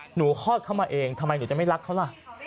คลอดเข้ามาเองทำไมหนูจะไม่รักเขาล่ะ